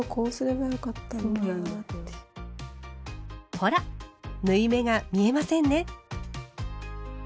ほら縫い目が見えませんね。